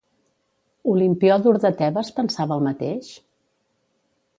Olimpiòdor de Tebes pensava el mateix?